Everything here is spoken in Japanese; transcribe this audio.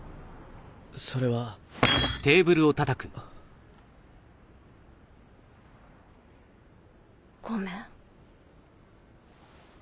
それは。ごめん。